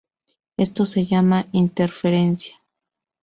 Esto se llama interferencia.